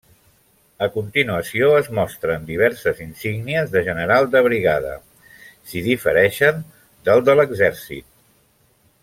A continuació es mostren diverses insígnies de general de brigada, si difereixen del de l'exèrcit.